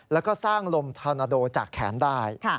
แล้วก็สร้างลมธานาโดจากแขนได้